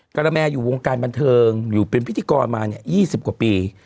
กระแมอยู่วงการบันเทิงอยู่เป็นพิธีกรมา๒๐กว่าปี